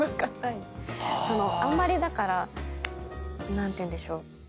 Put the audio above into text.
あんまりだから何ていうんでしょう？